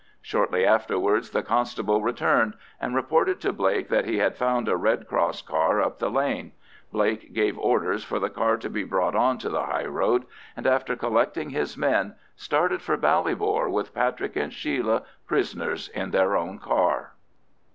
Shortly afterwards the constable returned, and reported to Blake that he had found a Red Cross car up the lane. Blake gave orders for the car to be brought on to the highroad, and after collecting his men, started for Ballybor with Patrick and Sheila prisoners in their own car.